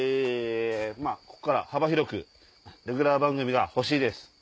ここから幅広くレギュラー番組が欲しいです。